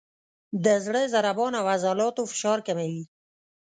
د زړه ضربان او عضلاتو فشار کموي،